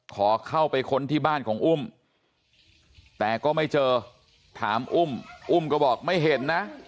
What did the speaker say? ขอเข้าไปค้นที่บ้านของอุ้มแต่ก็ไม่เจอถามอุ้มอุ้มก็บอกไม่เห็นนะ